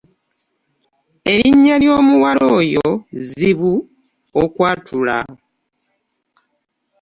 Erinnya ly'omuwala oyo zibu okwatula.